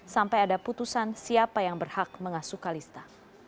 sampai ada putusan siapa yang berhak mengasuh kalista